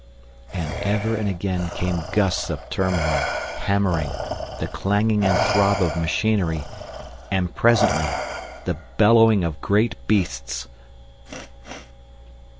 And ever and again came gusts of turmoil, hammering, the clanging and throb of machinery, and presently—the bellowing of great beasts!